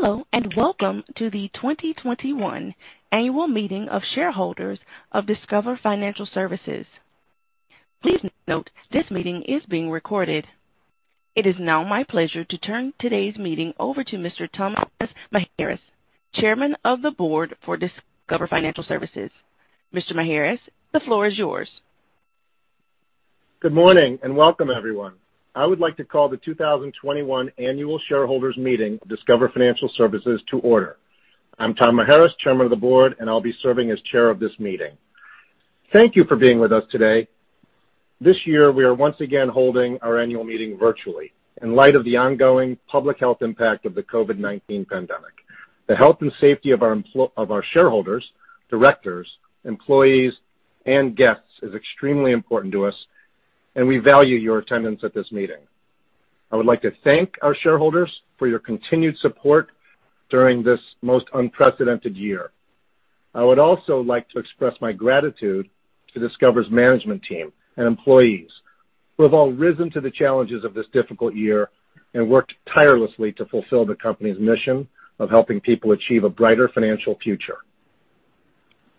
Hello, and welcome to the 2021 Annual Meeting of Shareholders of Discover Financial Services. Please note this meeting is being recorded. It is now my pleasure to turn today's meeting over to Mr. Thomas Maheras, Chairman of the Board for Discover Financial Services. Mr. Maheras, the floor is yours. Good morning, and welcome everyone. I would like to call the 2021 Annual Shareholders Meeting of Discover Financial Services to order. I'm Tom Maheras, Chairman of the Board, and I'll be serving as chair of this meeting. Thank you for being with us today. This year, we are once again holding our annual meeting virtually in light of the ongoing public health impact of the COVID-19 pandemic. The health and safety of our shareholders, directors, employees, and guests is extremely important to us, and we value your attendance at this meeting. I would like to thank our shareholders for your continued support during this most unprecedented year. I would also like to express my gratitude to Discover's management team and employees, who have all risen to the challenges of this difficult year and worked tirelessly to fulfill the company's mission of helping people achieve a brighter financial future.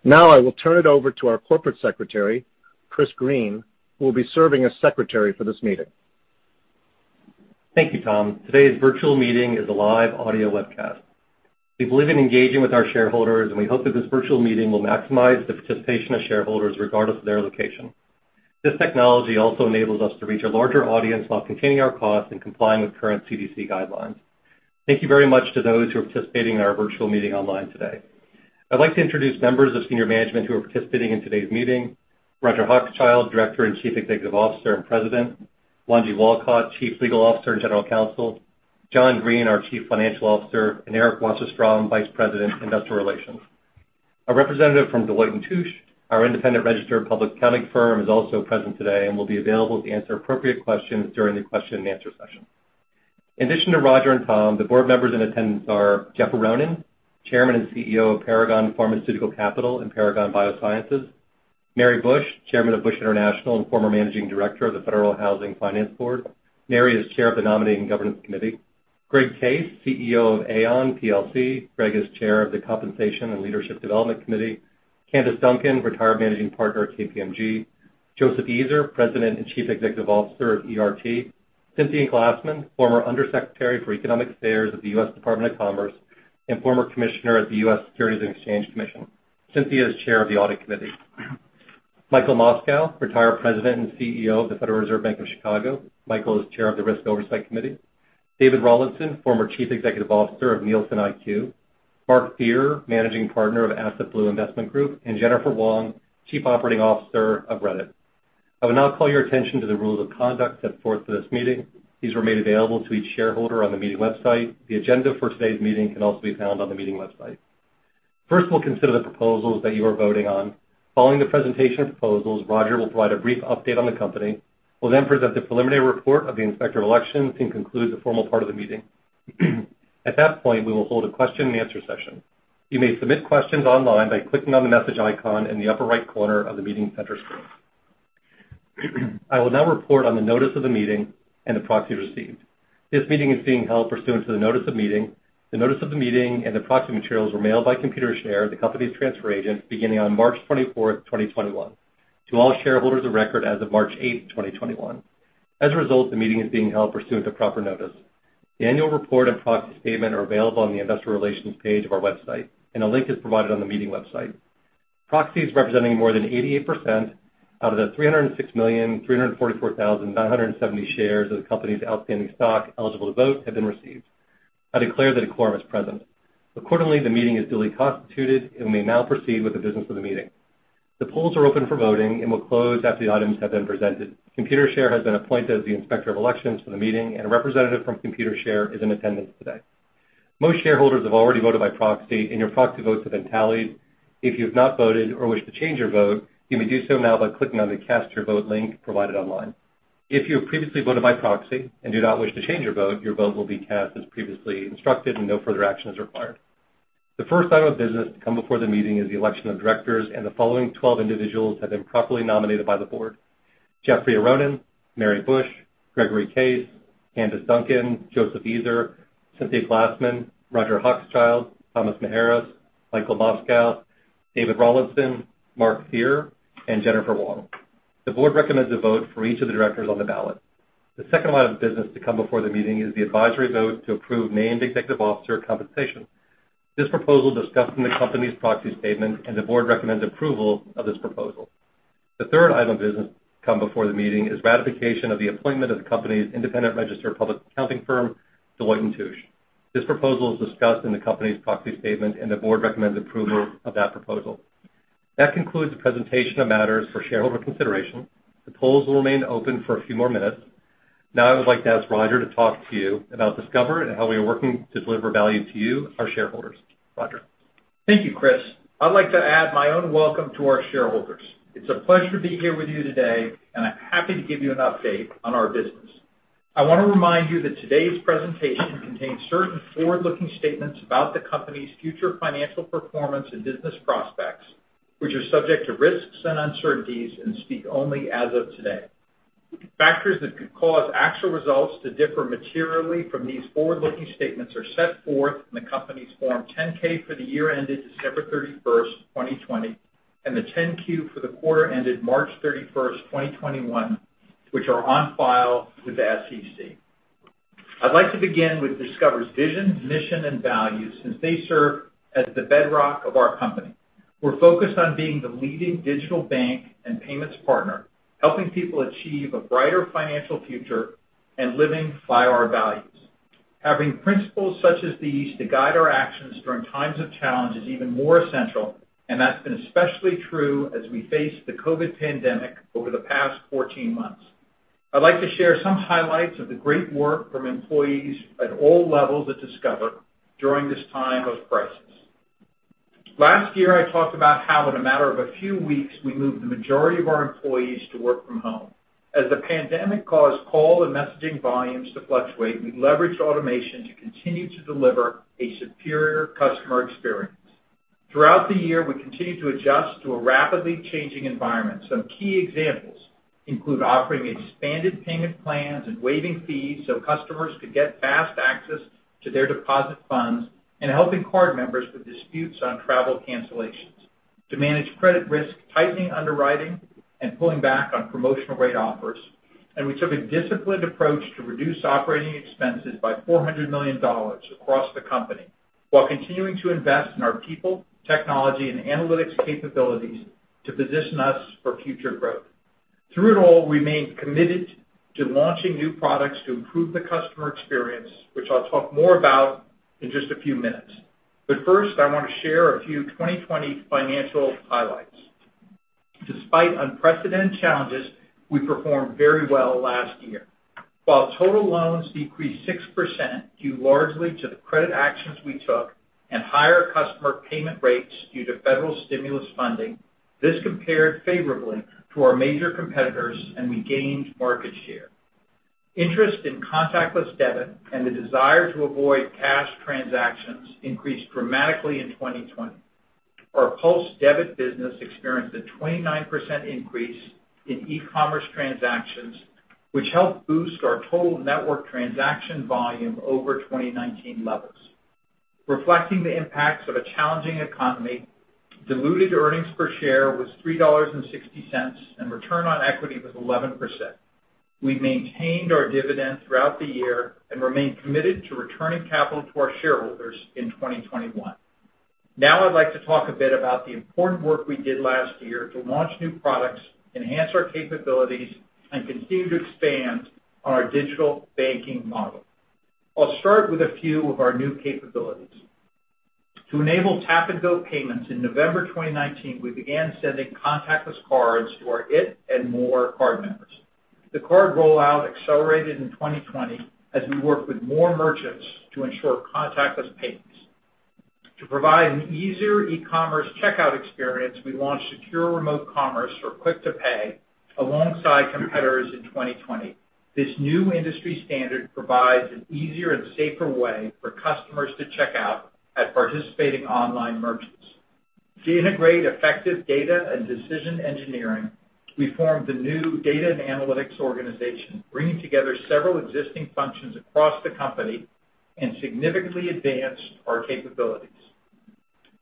I will turn it over to our Corporate Secretary, Christopher Greene, who will be serving as secretary for this meeting. Thank you, Tom. Today's virtual meeting is a live audio webcast. We believe in engaging with our shareholders. We hope that this virtual meeting will maximize the participation of shareholders regardless of their location. This technology also enables us to reach a larger audience while containing our costs and complying with current CDC guidelines. Thank you very much to those who are participating in our virtual meeting online today. I'd like to introduce members of senior management who are participating in today's meeting. Roger Hochschild, Director and Chief Executive Officer and President. Wanji Walcott, Chief Legal Officer and General Counsel. John Greene, our Chief Financial Officer, and Eric Wasserstrom, Vice President, Investor Relations. A representative from Deloitte & Touche, our independent registered public accounting firm, is also present today and will be available to answer appropriate questions during the question and answer session. In addition to Roger and Tom, the board members in attendance are Jeffrey Aronin, Chairman and CEO of Paragon Pharmaceutical Capital and Paragon Biosciences. Mary Bush, Chairman of Bush International and former Managing Director of the Federal Housing Finance Board. Mary is Chair of the Nominating Governance Committee. Greg Case, CEO of Aon plc. Greg is Chair of the Compensation and Leadership Development Committee. Candace Duncan, retired Managing Partner at KPMG. Joseph Eazor, President and Chief Executive Officer of ERT. Cynthia Glassman, former Under Secretary for Economic Affairs at the U.S. Department of Commerce and former Commissioner at the U.S. Securities and Exchange Commission. Cynthia is Chair of the Audit Committee. Michael Moskow, retired President and CEO of the Federal Reserve Bank of Chicago. Michael is Chair of the Risk Oversight Committee. David Rawlinson, former Chief Executive Officer of NielsenIQ. Mark Graf, Managing Partner of Asset Blue Investment Group, and Jennifer Wong, Chief Operating Officer of Reddit, Inc. I will now call your attention to the rules of conduct set forth for this meeting. These were made available to each shareholder on the meeting website. The agenda for today's meeting can also be found on the meeting website. We'll consider the proposals that you are voting on. Following the presentation of proposals, Roger will provide a brief update on the company. We'll present the preliminary report of the Inspector of Elections and conclude the formal part of the meeting. At that point, we will hold a question and answer session. You may submit questions online by clicking on the message icon in the upper right corner of the meeting center screen. I will now report on the notice of the meeting and the proxies received. This meeting is being held pursuant to the notice of meeting. The notice of the meeting and the proxy materials were mailed by Computershare, the company's transfer agent, beginning on March 24th, 2021 to all shareholders of record as of March 8th, 2021. The meeting is being held pursuant to proper notice. The annual report and proxy statement are available on the Investor Relations page of our website, and a link is provided on the meeting website. Proxies representing more than 88% out of the 306 million 344,970 shares of the company's outstanding stock eligible to vote have been received. I declare that a quorum is present. The meeting is duly constituted and we may now proceed with the business of the meeting. The polls are open for voting and will close after the items have been presented. Computershare has been appointed as the Inspector of Elections for the meeting, and a representative from Computershare is in attendance today. Most shareholders have already voted by proxy, and your proxy votes have been tallied. If you've not voted or wish to change your vote, you may do so now by clicking on the Cast Your Vote link provided online. If you have previously voted by proxy and do not wish to change your vote, your vote will be cast as previously instructed and no further action is required. The first item of business to come before the meeting is the election of directors, and the following 12 individuals have been properly nominated by the board. Jeffrey Aronin, Mary Bush, Gregory Case, Candace Duncan, Joseph Eazor, Cynthia Glassman, Roger Hochschild, Thomas Maheras, Michael Moskow, David Rawlinson, Mark Graf, and Jennifer Wong. The board recommends a vote for each of the directors on the ballot. The second line of business to come before the meeting is the advisory vote to approve named executive officer compensation. This proposal is discussed in the company's proxy statement, and the board recommends approval of this proposal. The third item of business to come before the meeting is ratification of the appointment of the company's independent registered public accounting firm, Deloitte & Touche. This proposal is discussed in the company's proxy statement, and the board recommends approval of that proposal. That concludes the presentation of matters for shareholder consideration. The polls will remain open for a few more minutes. Now, I would like to ask Roger to talk to you about Discover and how we are working to deliver value to you, our shareholders. Roger. Thank you, Chris. I'd like to add my own welcome to our shareholders. It's a pleasure to be here with you today, and I'm happy to give you an update on our business. I want to remind you that today's presentation contains certain forward-looking statements about the company's future financial performance and business prospects, which are subject to risks and uncertainties and speak only as of today. Factors that could cause actual results to differ materially from these forward-looking statements are set forth in the company's Form 10-K for the year ended December 31st, 2020, and the 10-Q for the quarter ended March 31st, 2021, which are on file with the SEC. I'd like to begin with Discover's vision, mission, and values since they serve as the bedrock of our company. We're focused on being the leading digital bank and payments partner, helping people achieve a brighter financial future and living by our values. Having principles such as these to guide our actions during times of challenge is even more essential. That's been especially true as we face the COVID-19 pandemic over the past 14 months. I'd like to share some highlights of the great work from employees at all levels at Discover during this time of crisis. Last year, I talked about how in a matter of a few weeks, we moved the majority of our employees to work from home. As the pandemic caused call and messaging volumes to fluctuate, we leveraged automation to continue to deliver a superior customer experience. Throughout the year, we continued to adjust to a rapidly changing environment. Some key examples include offering expanded payment plans and waiving fees so customers could get fast access to their deposit funds and helping card members with disputes on travel cancellations. To manage credit risk, tightening underwriting, and pulling back on promotional rate offers, we took a disciplined approach to reduce operating expenses by $400 million across the company while continuing to invest in our people, technology, and analytics capabilities to position us for future growth. Through it all, we remained committed to launching new products to improve the customer experience, which I'll talk more about in just a few minutes. First, I want to share a few 2020 financial highlights. Despite unprecedented challenges, we performed very well last year. While total loans decreased 6% due largely to the credit actions we took and higher customer payment rates due to federal stimulus funding, this compared favorably to our major competitors, and we gained market share. Interest in contactless debit and the desire to avoid cash transactions increased dramatically in 2020. Our PULSE debit business experienced a 29% increase in e-commerce transactions, which helped boost our total network transaction volume over 2019 levels. Reflecting the impacts of a challenging economy, diluted earnings per share was $3.60, and return on equity was 11%. We maintained our dividend throughout the year and remain committed to returning capital to our shareholders in 2021. Now I'd like to talk a bit about the important work we did last year to launch new products, enhance our capabilities, and continue to expand on our digital banking model. I'll start with a few of our new capabilities. To enable tap-and-go payments in November 2019, we began sending contactless cards to our it and More card members. The card rollout accelerated in 2020 as we worked with more merchants to ensure contactless payments. To provide an easier e-commerce checkout experience, we launched Secure Remote Commerce for Click to Pay alongside competitors in 2020. This new industry standard provides an easier and safer way for customers to check out at participating online merchants. To integrate effective data and decision engineering, we formed the new data and analytics organization, bringing together several existing functions across the company and significantly advanced our capabilities.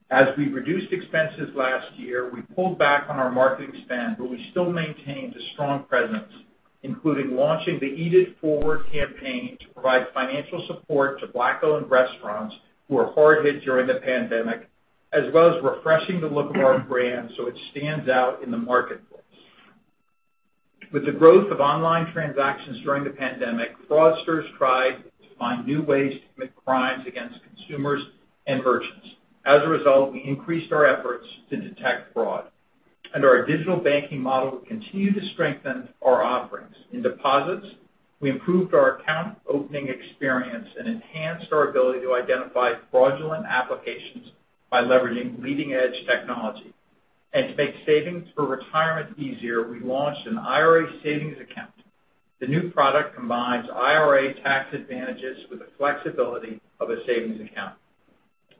As we reduced expenses last year, we pulled back on our marketing spend, but we still maintained a strong presence, including launching the Eat It Forward campaign to provide financial support to Black-owned restaurants who were hard hit during the pandemic, as well as refreshing the look of our brand so it stands out in the marketplace. With the growth of online transactions during the pandemic, fraudsters tried to find new ways to commit crimes against consumers and merchants. As a result, we increased our efforts to detect fraud. Under our digital banking model, we continue to strengthen our offerings. In deposits, we improved our account opening experience and enhanced our ability to identify fraudulent applications by leveraging leading-edge technology. To make savings for retirement easier, we launched an IRA savings account. The new product combines IRA tax advantages with the flexibility of a savings account.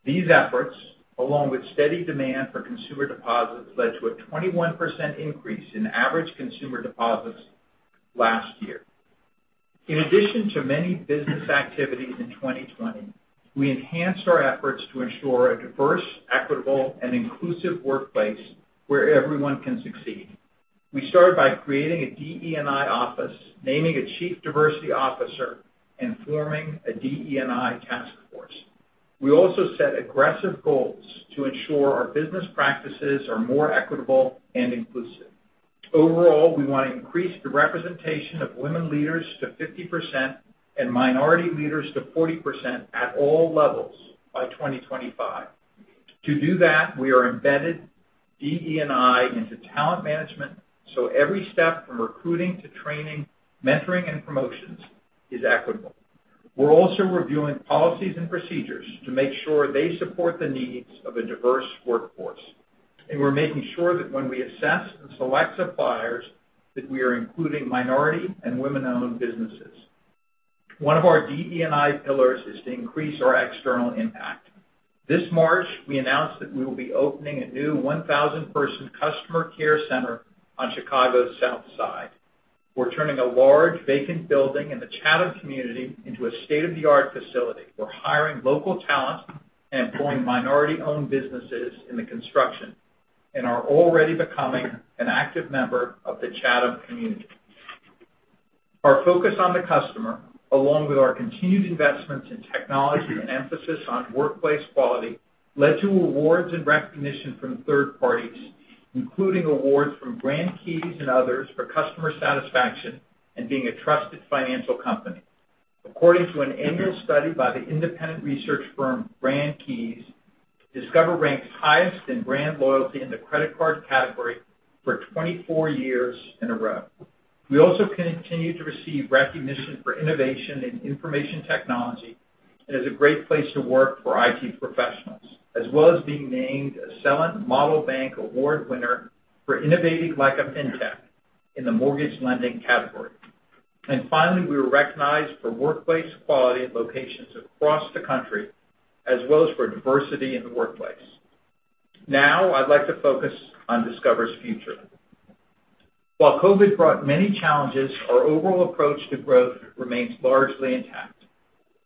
These efforts, along with steady demand for consumer deposits, led to a 21% increase in average consumer deposits last year. In addition to many business activities in 2020, we enhanced our efforts to ensure a diverse, equitable, and inclusive workplace where everyone can succeed. We started by creating a DE&I office, naming a chief diversity officer, and forming a DE&I task force. We also set aggressive goals to ensure our business practices are more equitable and inclusive. Overall, we want to increase the representation of women leaders to 50% and minority leaders to 40% at all levels by 2025. To do that, we are embedded DE&I into talent management, so every step from recruiting to training, mentoring, and promotions is equitable. We're also reviewing policies and procedures to make sure they support the needs of a diverse workforce, and we're making sure that when we assess and select suppliers, that we are including minority and women-owned businesses. One of our DE&I pillars is to increase our external impact. This March, we announced that we will be opening a new 1,000-person customer care center on Chicago's South Side. We're turning a large, vacant building in the Chatham community into a state-of-the-art facility. We're hiring local talent and employing minority-owned businesses in the construction and are already becoming an active member of the Chatham community. Our focus on the customer, along with our continued investments in technology and emphasis on workplace quality, led to awards and recognition from third parties, including awards from Brand Keys and others for customer satisfaction and being a trusted financial company. According to an annual study by the independent research firm Brand Keys, Discover ranks highest in brand loyalty in the credit card category for 24 years in a row. We also continue to receive recognition for innovation in information technology and as a great place to work for IT professionals, as well as being named a Celent Model Bank Award winner for innovating like a fintech in the mortgage lending category. Finally, we were recognized for workplace quality in locations across the country, as well as for diversity in the workplace. Now, I'd like to focus on Discover's future. While COVID brought many challenges, our overall approach to growth remains largely intact.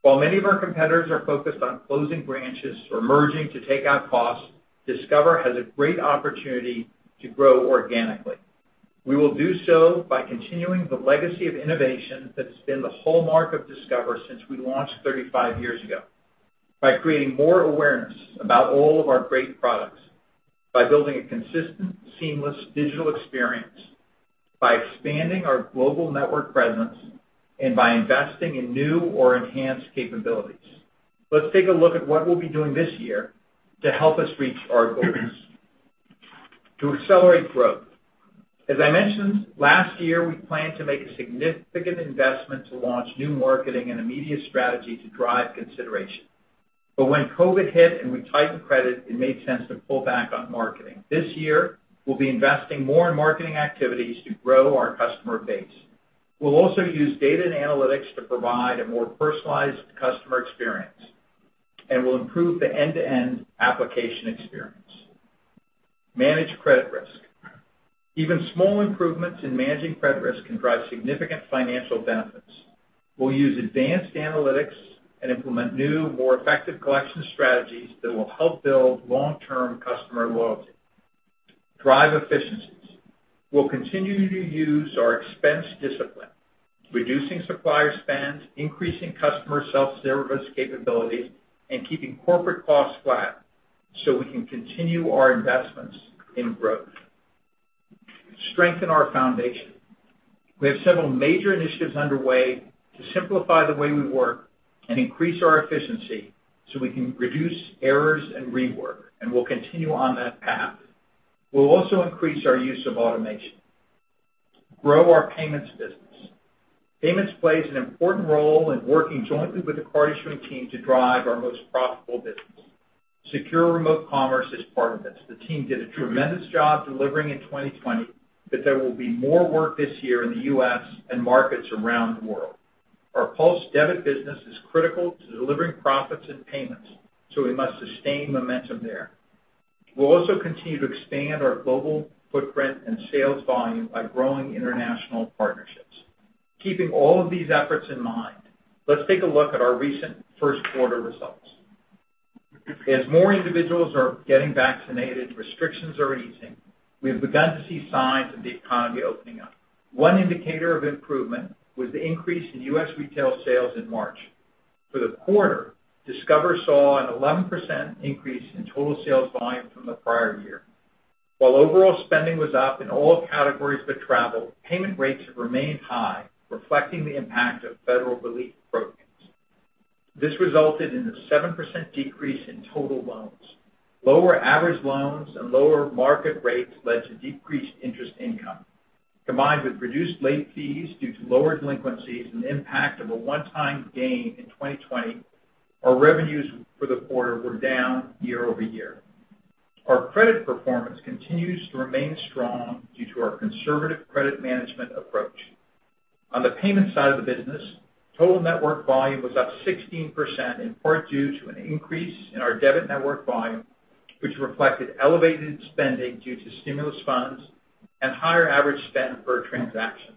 While many of our competitors are focused on closing branches or merging to take out costs, Discover has a great opportunity to grow organically. We will do so by continuing the legacy of innovation that has been the hallmark of Discover since we launched 35 years ago, by creating more awareness about all of our great products, by building a consistent, seamless digital experience, by expanding our global network presence, and by investing in new or enhanced capabilities. Let's take a look at what we'll be doing this year to help us reach our goals. To accelerate growth. As I mentioned, last year, we planned to make a significant investment to launch new marketing and a media strategy to drive consideration. When COVID hit and we tightened credit, it made sense to pull back on marketing. This year, we'll be investing more in marketing activities to grow our customer base. We'll also use data and analytics to provide a more personalized customer experience, and we'll improve the end-to-end application experience. Manage credit risk. Even small improvements in managing credit risk can drive significant financial benefits. We'll use advanced analytics and implement new, more effective collection strategies that will help build long-term customer loyalty. Drive efficiencies. We'll continue to use our expense discipline, reducing supplier spends, increasing customer self-service capabilities, and keeping corporate costs flat so we can continue our investments in growth. Strengthen our foundation. We have several major initiatives underway to simplify the way we work and increase our efficiency so we can reduce errors and rework, and we'll continue on that path. We'll also increase our use of automation. Grow our payments business. Payments plays an important role in working jointly with the card issuing team to drive our most profitable business. Secure Remote Commerce is part of this. The team did a tremendous job delivering in 2020. There will be more work this year in the U.S. and markets around the world. Our PULSE debit business is critical to delivering profits and payments, so we must sustain momentum there. We'll also continue to expand our global footprint and sales volume by growing international partnerships. Keeping all of these efforts in mind, let's take a look at our recent first quarter results. As more individuals are getting vaccinated, restrictions are easing. We have begun to see signs of the economy opening up. One indicator of improvement was the increase in U.S. retail sales in March. For the quarter, Discover saw an 11% increase in total sales volume from the prior year. While overall spending was up in all categories but travel, payment rates have remained high, reflecting the impact of federal relief programs. This resulted in a 7% decrease in total loans. Lower average loans and lower market rates led to decreased interest income. Combined with reduced late fees due to lower delinquencies and the impact of a one-time gain in 2020, our revenues for the quarter were down year-over-year. Our credit performance continues to remain strong due to our conservative credit management approach. On the payment side of the business, total network volume was up 16%, in part due to an increase in our debit network volume, which reflected elevated spending due to stimulus funds and higher average spend per transaction.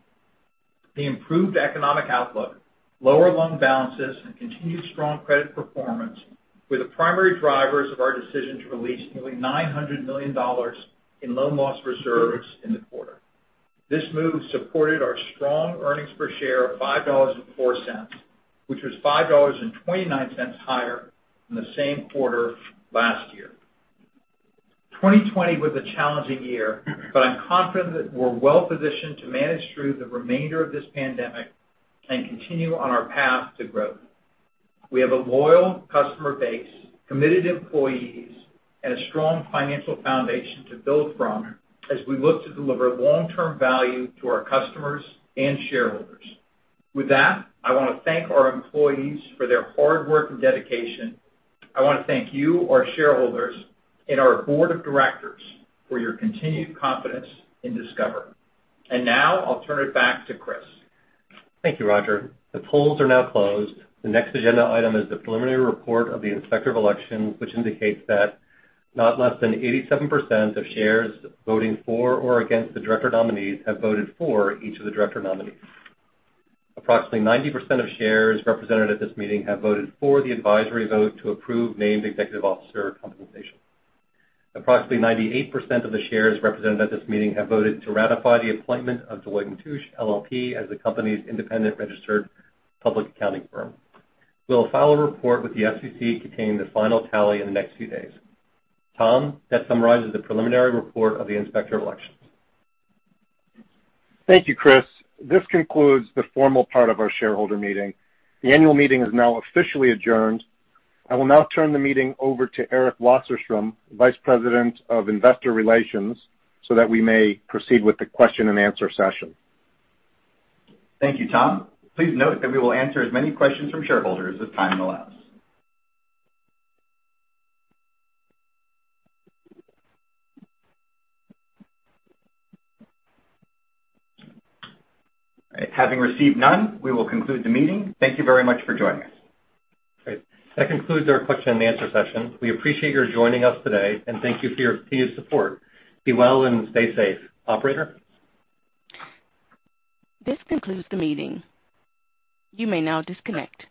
The improved economic outlook, lower loan balances, and continued strong credit performance were the primary drivers of our decision to release nearly $900 million in loan loss reserves in the quarter. This move supported our strong earnings per share of $5.04, which was $5.29 higher than the same quarter last year. 2020 was a challenging year, but I'm confident that we're well positioned to manage through the remainder of this pandemic and continue on our path to growth. We have a loyal customer base, committed employees, and a strong financial foundation to build from as we look to deliver long-term value to our customers and shareholders. With that, I want to thank our employees for their hard work and dedication. I want to thank you, our shareholders, and our board of directors for your continued confidence in Discover. Now I'll turn it back to Chris. Thank you, Roger. The polls are now closed. The next agenda item is the preliminary report of the Inspector of Elections, which indicates that not less than 87% of shares voting for or against the director nominees have voted for each of the director nominees. Approximately 90% of shares represented at this meeting have voted for the advisory vote to approve named executive officer compensation. Approximately 98% of the shares represented at this meeting have voted to ratify the appointment of Deloitte & Touche LLP as the company's independent registered public accounting firm. We'll file a report with the SEC containing the final tally in the next few days. Tom, that summarizes the preliminary report of the Inspector of Elections. Thank you, Chris. This concludes the formal part of our shareholder meeting. The annual meeting is now officially adjourned. I will now turn the meeting over to Eric Wasserstrom, Vice President of Investor Relations, so that we may proceed with the question and answer session. Thank you, Tom. Please note that we will answer as many questions from shareholders as time allows. Having received none, we will conclude the meeting. Thank you very much for joining us. Great. That concludes our question and answer session. We appreciate your joining us today, and thank you for your continued support. Be well and stay safe. Operator? This concludes the meeting. You may now disconnect.